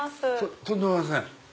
とんでもございません。